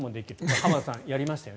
浜田さん、やりましたよね